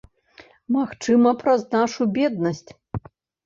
Магчыма, праз нашу беднасць.